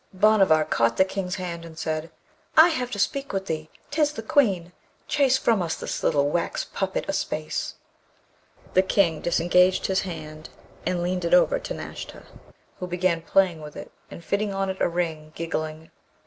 Bhanavar caught the King's hand and said, 'I have to speak with thee; 'tis the Queen. Chase from us this little wax puppet a space.' The King disengaged his hand and leaned it over to Nashta, who began playing with it, and fitting on it a ring, giggling.